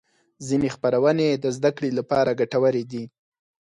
ځینې خپرونې د زدهکړې لپاره ګټورې دي.